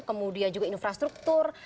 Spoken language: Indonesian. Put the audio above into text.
kemudian juga infrastruktur